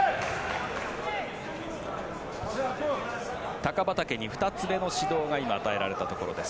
タカバタケに２つ目の指導が与えられたところです。